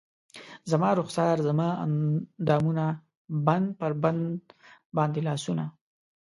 زما رخسار زما اندامونه بند پر بند باندې لاسونه